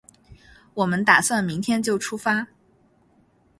我们打算明天就出发